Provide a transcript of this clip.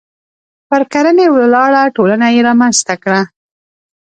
پر کرنې ولاړه ټولنه یې رامنځته کړه.